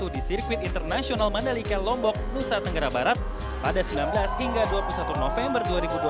di sirkuit internasional mandalika lombok nusa tenggara barat pada sembilan belas hingga dua puluh satu november dua ribu dua puluh